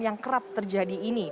yang kerap terjadi ini